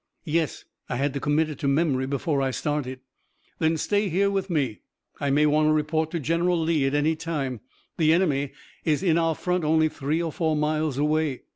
"Yes, I had to commit it to memory before I started." "Then stay here with me. I may want to report to General Lee at any time. The enemy is in our front only three or four miles away.